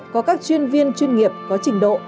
có các chuyên viên chuyên nghiệp có trình độ